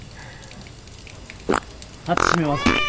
ハッチ閉めます。